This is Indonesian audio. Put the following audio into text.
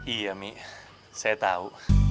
iya mi saya tahu